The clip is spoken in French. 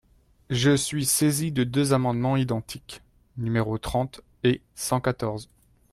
Je suis saisi de deux amendements identiques, numéros trente et cent quatorze.